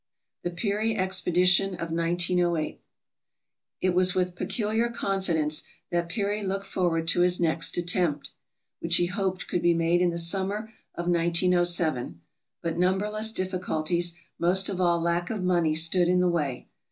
The Peary Expedition of 1908 It was with peculiar confidence that Peary looked forward to his next attempt, which he hoped could be made in the summer of 1907, but numberless difficulties, most of all lack of money, stood in the way.